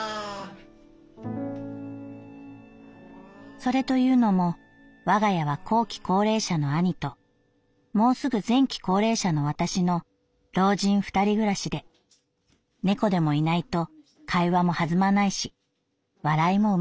「それと言うのも我が家は後期高齢者の兄ともうすぐ前期高齢者の私の老人二人暮らしで猫でもいないと会話も弾まないし笑いも生まれないからだ」。